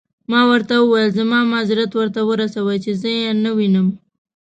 ما ورته وویل: زما معذرت ورته ورسوئ، چې زه يې نه وینم.